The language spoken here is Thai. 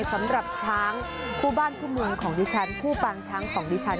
สำหรับช้างคู่บ้านคู่เมืองของดิฉันคู่ปางช้างของดิฉัน